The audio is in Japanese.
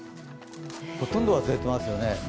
ほとんど忘れてますよね。